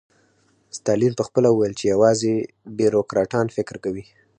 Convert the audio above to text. ستالین پخپله ویل چې یوازې بیروکراټان فکر کوي